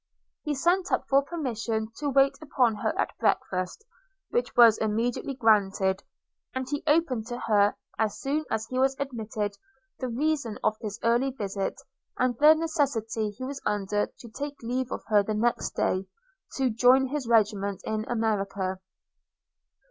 He sent up for permission to wait upon her at breakfast, which was immediately granted; and he opened to her, as soon as he was admitted, the reason of this early visit, and the necessity he was under to take leave of her the next day, to join his regiment in America.